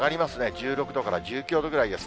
１６度から１９度ぐらいです。